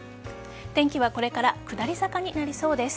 天気はこれから下り坂になりそうです。